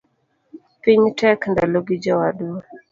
Piny tek ndalogi jowadwa